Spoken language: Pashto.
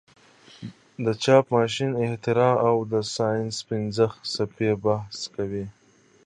د چاپ ماشین اختراع او د ساینس پنځه څپې بحث کیږي.